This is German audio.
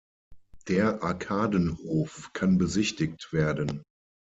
Der Arkadenhof kann besichtigt werden.